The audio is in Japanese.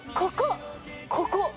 ここ！